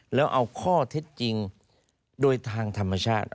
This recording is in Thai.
แล้วเอาข้อเท็จจริงโดยทางธรรมชาติ